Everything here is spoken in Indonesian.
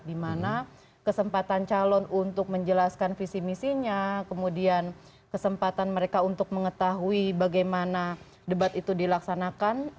dimana kesempatan calon untuk menjelaskan visi misinya kemudian kesempatan mereka untuk mengetahui bagaimana debat itu dilaksanakan